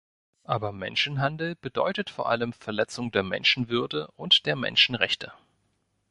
Aber Menschenhandel bedeutet vor allem Verletzung der Menschenwürde und der Menschenrechte.